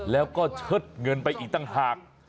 แล้วก็เชิดเงินไปอีกต่างหาก